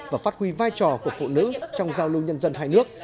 và phát huy vai trò của phụ nữ trong giao lưu nhân dân hai nước